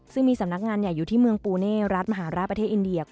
ซึ่งมีสำนักงานใหญ่อยู่ที่เมืองปูเน่รัฐมหาราชประเทศอินเดีย